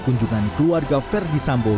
kunjungan keluarga ferdi sambo